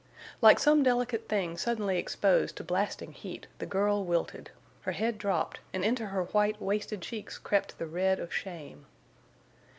Like some delicate thing suddenly exposed to blasting heat, the girl wilted; her head dropped, and into her white, wasted cheeks crept the red of shame.